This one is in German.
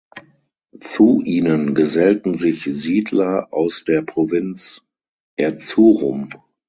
Zu ihnen gesellten sich Siedler aus der Provinz Erzurum.